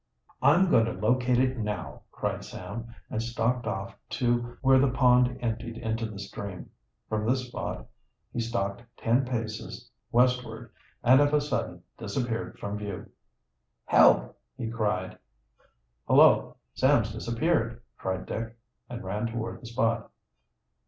"I'm going to locate it now," cried Sam, and stalked off to where the pond emptied into the stream. From this spot he stalked ten paces westward, and of a sudden disappeared from view. "Help!" he cried. "Hullo, Sam's disappeared!" cried Dick, and ran toward the spot.